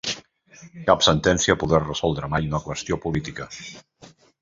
Cap sentència podrà resoldre mai una qüestió política.